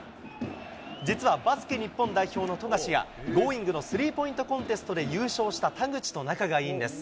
実は、バスケ日本代表の富樫がＧｏｉｎｇ！のスリーポイントコンテストで優勝した田口と仲がいいんです。